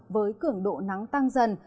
với cường độ nắng tăng dần